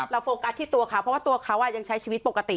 โฟกัสที่ตัวเขาเพราะว่าตัวเขายังใช้ชีวิตปกติ